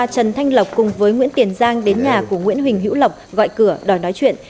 trần thanh lộc cùng với nguyễn tiền giang đến nhà của nguyễn huỳnh hữu lộc gọi cửa đòi nói chuyện